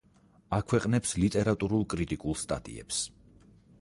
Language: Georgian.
აქვეყნებს ლიტერატურულ-კრიტიკულ სტატიებს.